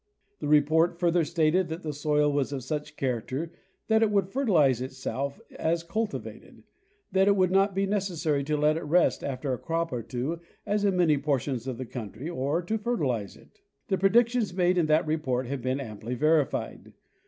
The report further stated that the soil was of such char acter that it would fertilize itself as cultivated; that it would not be necessary to let it rest after a crop or two, as in many portions of the country, or to fertilize it. The predictions made in that report have been amply verified.